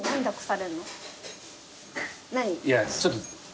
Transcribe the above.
いやちょっと。